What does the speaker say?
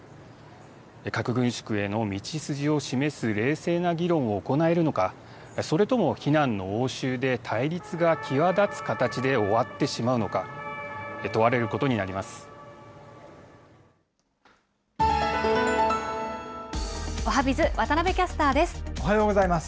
核軍縮への道筋を示す冷静な議論を行えるのか、それとも非難の応酬で対立が際立つ形で終わってしまうのか、問わおはＢｉｚ、渡部キャスターおはようございます。